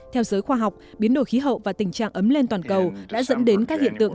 theo giới khoa học biến đổi khí hậu và tình trạng ấm lên toàn cầu đã dẫn đến các hiện tượng